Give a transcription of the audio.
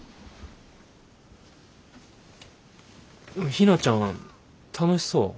陽菜ちゃん楽しそう？